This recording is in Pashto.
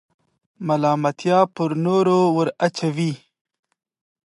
ملامتیا پر نورو وراچوئ.